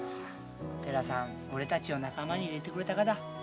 寺さん俺たちを仲間に入れてくれたがだ。